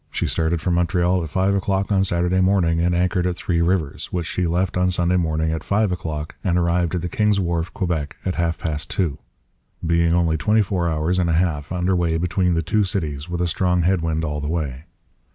She started from Montreal at 5 o'clock on Saturday morning, and anchored at Three Rivers, which she left on Sunday morning at 5 o'clock, and arrived at the King's Wharf, Quebec, at half past two; being only 24 hours and a half under way between the two cities, with a strong head wind all the way.